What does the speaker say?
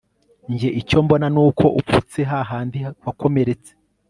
Njye icyo mbona nuko upfutse hahandi wakomeretse